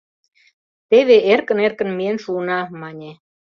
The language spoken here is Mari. Теве эркын-эркын миен шуына, — мане.